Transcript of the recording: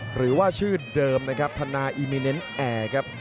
หรือว่าชื่อเดิมนะครับธนาอีมิเนนแอร์ครับ